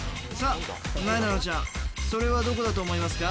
なえなのちゃんそれはどこだと思いますか？